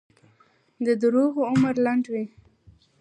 د دروغو عمر لنډ وي.